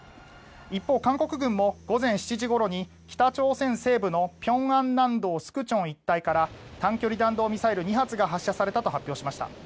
一方、韓国軍も午前７時ごろに北朝鮮西部の平安南道粛川一帯から短距離弾道ミサイル２発が発射されたと発表しました。